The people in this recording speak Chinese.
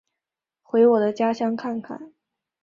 回我的家乡看看